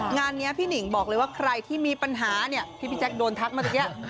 งานนี้พี่หนิ่งบอกเลยว่าใครที่มีปัญหาเนี่ยที่พี่แจ๊คโดนทักมาเมื่อกี้